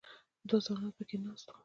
دوه ځوانان په کې ناست وو.